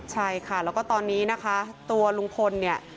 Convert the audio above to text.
ใช่ค่ะแล้วก็ตอนนี้นะคะตัวลุงพลเนี่ย